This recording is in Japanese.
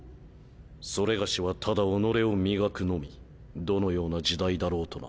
それがしはただ己を磨くのみどのような時代だろうとな。